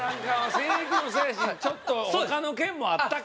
性癖もそうやしちょっと他の件もあったか。